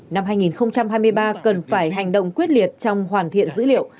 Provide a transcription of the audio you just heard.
năm hai nghìn hai mươi ba cần phải hành động quyết liệt trong hoàn thiện dữ liệu